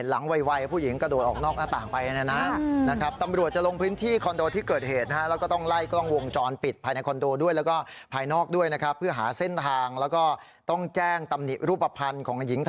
และประตูพอเขาวิ่งไปหายามที่ดูแล